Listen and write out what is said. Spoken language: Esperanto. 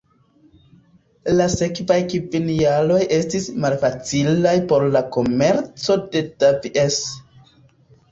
La sekvaj kvin jaroj estis malfacilaj por la komerco de Davies.